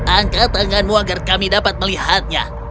angkat tanganmu agar kami dapat melihatnya